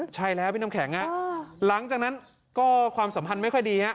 ใช่แล้วพี่น้ำแข็งหลังจากนั้นก็ความสัมพันธ์ไม่ค่อยดีฮะ